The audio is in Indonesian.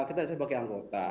kita sebagai anggota